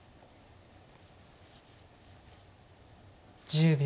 １０秒。